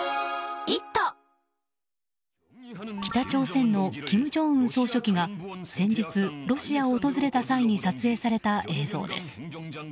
北朝鮮の金正恩総書記が先日、ロシアを訪れた際に撮影された映像です。